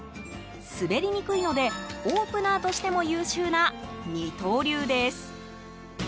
滑りにくいのでオープナーとしても優秀な二刀流です。